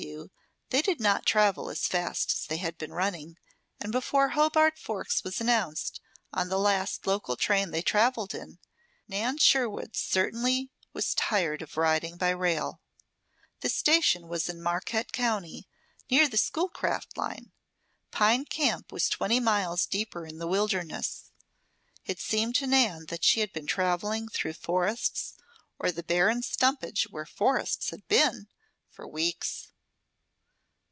W. they did not travel as fast as they had been running, and before Hobart Forks was announced on the last local train they traveled in, Nan Sherwood certainly was tired of riding by rail. The station was in Marquette County, near the Schoolcraft line. Pine Camp was twenty miles deeper in the Wilderness. It seemed to Nan that she had been traveling through forests, or the barren stumpage where forests had been, for weeks.